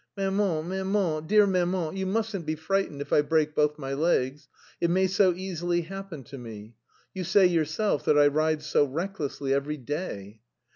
"Maman, maman, dear maman, you mustn't be frightened if I break both my legs. It may so easily happen to me; you say yourself that I ride so recklessly every day.